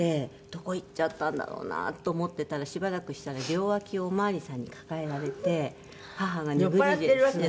どこ行っちゃったんだろうなと思っていたらしばらくしたら両脇をお巡りさんに抱えられて母がネグリジェで。